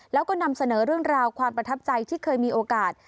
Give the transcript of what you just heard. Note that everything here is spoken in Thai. แล้วก็นำเสนอเรื่องราวความประทับใจที่เคยมีโอกาส